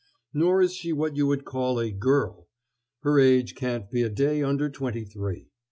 Nor is she what you would call a girl: her age can't be a day under twenty three.